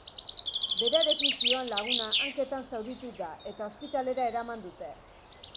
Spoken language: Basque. Berarekin zioan laguna hanketan zauritu da eta ospitalera eraman dute.